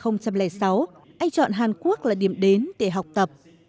năm hai nghìn sáu anh chọn hàn quốc là điểm đến để học tập